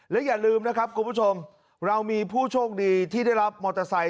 และอย่าลืมนะครับคุณผู้ชมเรามีผู้โชคดีที่ได้รับมอเตอร์ไซค